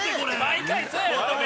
毎回そうやろ！